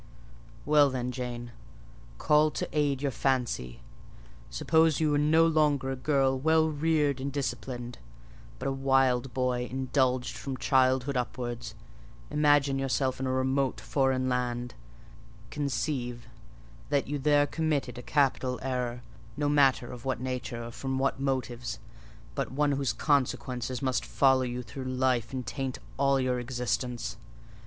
"Well then, Jane, call to aid your fancy:—suppose you were no longer a girl well reared and disciplined, but a wild boy indulged from childhood upwards; imagine yourself in a remote foreign land; conceive that you there commit a capital error, no matter of what nature or from what motives, but one whose consequences must follow you through life and taint all your existence.